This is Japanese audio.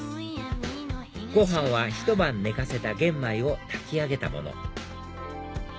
ご飯はひと晩寝かせた玄米を炊き上げたもの